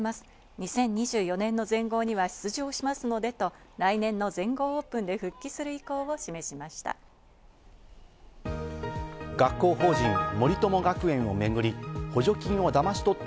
２０２４年の全豪には出場しますのでと来年の全豪オープンで復帰する意向を示しました。